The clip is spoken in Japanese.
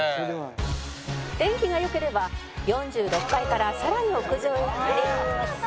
「天気が良ければ４６階からさらに屋上へ上がり」「最高！」